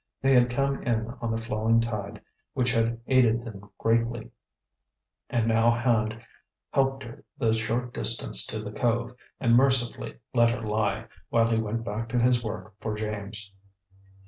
They had come in on the flowing tide, which had aided them greatly; and now Hand helped her the short distance to the cove and mercifully let her lie, while he went back to his work for James.